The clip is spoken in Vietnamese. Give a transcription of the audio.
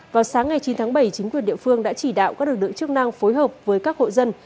vào sáng ngày chín tháng bảy chính quyền địa phương đã chỉ đạo các lực lượng chức năng phối hợp với các hộ dân